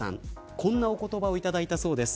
こんなお言葉を頂いたそうです。